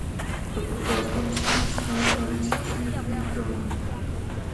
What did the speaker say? Tato otázka musí být na nadcházejícím summitu viditelná.